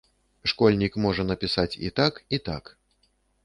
Школьнік можа напісаць і так, і так.